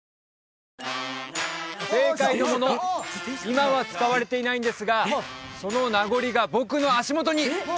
今は使われていないんですがその名残が僕の足元に！